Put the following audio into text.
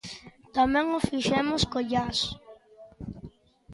Tamén o fixemos co jazz.